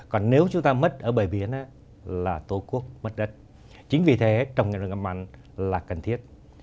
còn nếu chúng ta mất ở bờ biển là tổ quốc mất đất chính vì thế trồng rừng ngập mặn là cần thiết